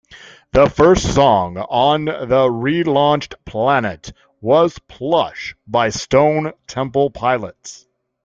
The first song on the relaunched "Planet" was "Plush" by Stone Temple Pilots.